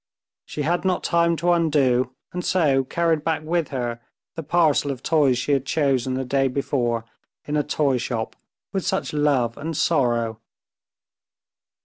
She had not time to undo, and so carried back with her, the parcel of toys she had chosen the day before in a toy shop with such love and sorrow.